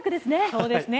そうですね。